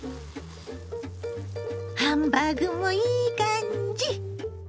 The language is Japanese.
ハンバーグもいい感じ！